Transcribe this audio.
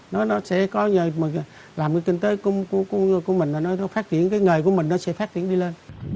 nó sẽ có nhờ làm cái kinh tế của mình và nó phát triển cái nghề của mình nó sẽ phát triển đi lên